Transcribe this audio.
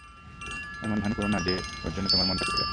এমন ভান কোরো না যে, ওর জন্য তোমার মনটা পুড়ে যাচ্ছে।